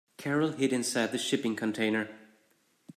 Carol hid inside the shipping container.